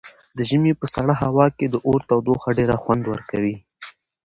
د ژمي په سړه هوا کې د اور تودوخه ډېره خوند ورکوي.